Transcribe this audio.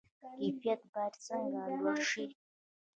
کیفیت باید څنګه لوړ شي؟